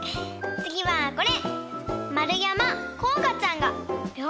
つぎはこれ！